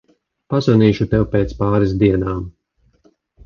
Pazvanīšu tev pēc pāris dienām.